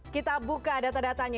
kita buka data datanya